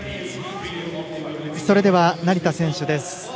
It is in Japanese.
それでは成田選手です。